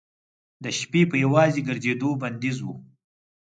د شپې په یوازې ګرځېدو بندیز و.